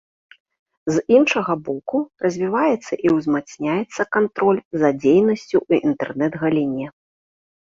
З іншага боку, развіваецца і ўзмацняецца кантроль за дзейнасцю ў інтэрнэт-галіне.